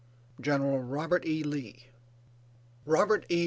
GENERAL ROBERT E. LEE. Robert E.